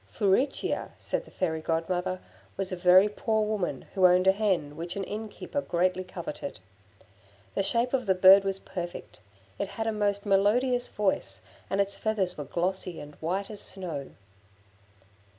"Furicchia," said the Fairy Godmother, "was a very poor woman who owned a hen which an innkeeper greatly coveted. The shape of the bird was perfect; it had a most melodious voice, and its feathers were glossy and white as snow.